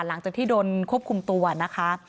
หลังจากที่โดนควบคุมตัวนะคะ